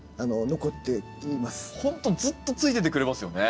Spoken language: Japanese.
ほんとずっとついててくれますよね。